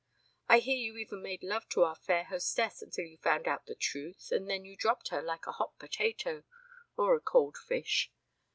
I hear you even made love to our fair hostess until you found out the truth and then you dropped her like a hot potato or a cold fish.